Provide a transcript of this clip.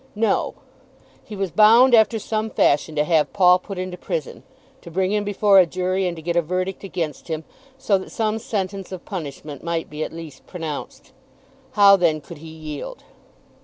No! He was bound after some fashion to have Paul put into prison; to bring him before a jury, and to get a verdict against him, so that some sentence of punishment might be at least pronounced. How then could he yield?